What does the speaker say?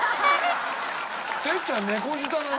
哲ちゃん猫舌だね。